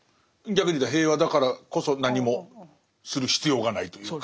逆にいうと平和だからこそ何もする必要がないというか。